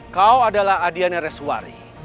kau adalah adiana reswari